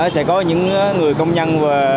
sẽ có những người công nhân